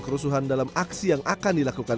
kerusuhan dalam aksi yang akan dilakukan